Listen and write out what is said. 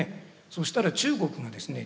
そしたら中国がですね